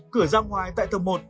cửa ra ngoài tại tầm một